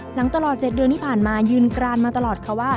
ตลอด๗เดือนที่ผ่านมายืนกรานมาตลอดค่ะว่า